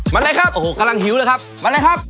มาเลยครับ